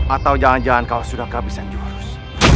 atau jangan jangan kau sudah kehabisan jurus